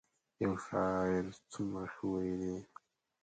یو شاعر څومره ښه ویلي.